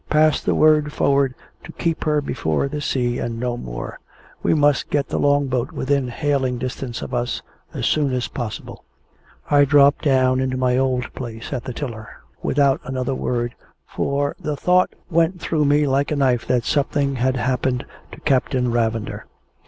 Pass the word forward to keep her before the sea, and no more. We must get the Long boat within hailing distance of us, as soon as possible." I dropped down into my old place at the tiller without another word for the thought went through me like a knife that something had happened to Captain Ravender.